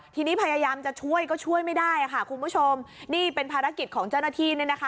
ทีนี้พยายามจะช่วยก็ช่วยไม่ได้ค่ะคุณผู้ชมนี่เป็นภารกิจของเจ้าหน้าที่เนี่ยนะคะ